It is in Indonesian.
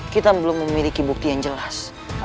kita belum memiliki bukti yang jelas